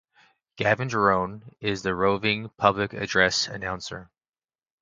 Gavin Jerome is the roving public address announcer.